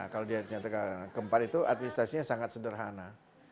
kalau dia nyatakan keempat itu administrasinya sangat sederhana